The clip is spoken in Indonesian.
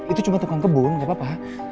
itu cuma tukang kebung gak apa apa